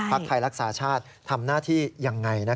ไทยรักษาชาติทำหน้าที่ยังไง